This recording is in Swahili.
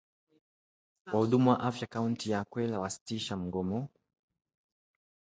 Wahudumu wa afya kaunti ya kwale wasitisha mgomo